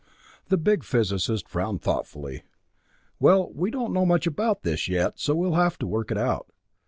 The big physicist frowned thoughtfully. "Well, we don't know much about this yet, so we'll have to work it out.